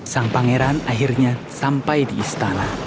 sang pangeran akhirnya sampai di istana